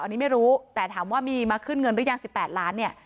อันนี้ไม่รู้แต่ถามว่ามีมาขึ้นเงินหรือยัง๑๘ล้านเนี่ย